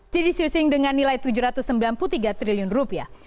teddy susing dengan nilai tujuh ratus sembilan puluh tiga triliun rupiah